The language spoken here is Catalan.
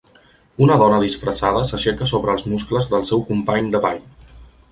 Una dona disfressada s'aixeca sobre els muscles del seu company de ball.